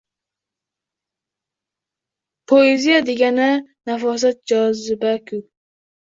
Poeziya degani nafosat, joziba-ku.